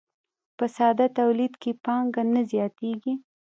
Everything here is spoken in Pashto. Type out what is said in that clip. په ساده تولید کې پانګه نه زیاتېږي